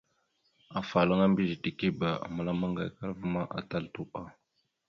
Afalaŋa mbiyez tikeba a məlam maŋgayakala ma, atal tuɓa.